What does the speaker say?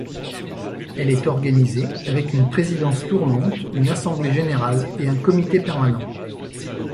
Elle est organisée avec une présidence tournante, une assemblée générale et un comité permanent.